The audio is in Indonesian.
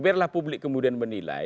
biarlah publik kemudian menilai